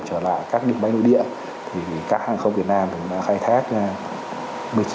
trở lại các địch bay nội địa các hàng không việt nam đã khai thác